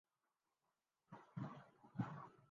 اور ہماری عقل سے بڑھنا کرنا اور حسن و جمال کو پسند فرمانا ہونا